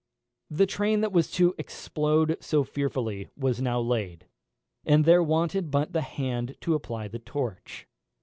The train that was to explode so fearfully was now laid, and there wanted but the hand to apply the torch.